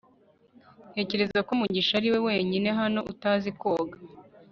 ntekereza ko mugisha ariwe wenyine hano utazi koga